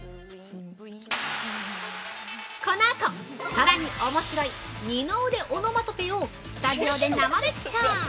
このあと！さらにおもしろい二の腕オノマトペをスタジオで生レクチャー！